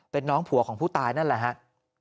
เป็นน้องผัวของผู้ตายนั่นแหละครับ